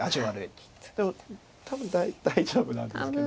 けど多分大丈夫なんですけど。